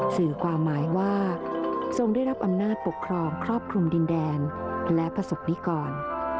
สื่อความหมายว่าทรงได้รับอำนาจปกครองครอบคลุมดินแดนและประสบนิกร